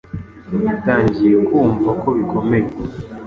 yatangiye kumva ko bikomeye